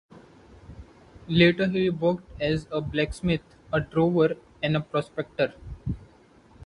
Later he worked as a blacksmith, a drover and a prospector.